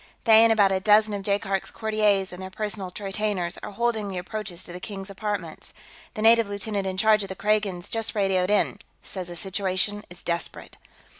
They, and about a dozen of Jaikark's courtiers and their personal retainers, are holding the approaches to the King's apartments. The native lieutenant in charge of the Kragans just radioed in; says the situation is desperate."